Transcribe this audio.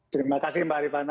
terima kasih mbak ariefana